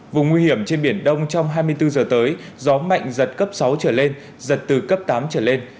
vùng nguy hiểm trên biển đông trong hai mươi bốn giờ tới gió mạnh giật cấp sáu trở lên giật từ cấp tám trở lên